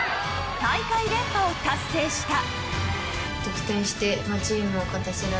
大会連覇を達成した。